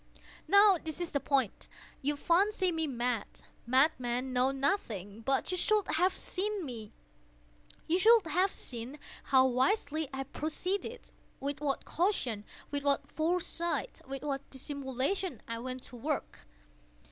Now this is the point. You fancy me mad. Madmen know nothing. But you should have seen me. You should have seen how wisely I proceeded—with what caution—with what foresight—with what dissimulation I went to work!